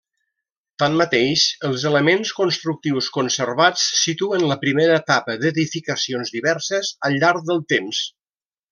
Tanmateix, els elements constructius conservats situen la primera etapa d'edificacions diverses al llarg del temps.